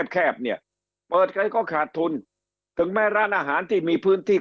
แคบเนี่ยเปิดใครก็ขาดทุนถึงแม้ร้านอาหารที่มีพื้นที่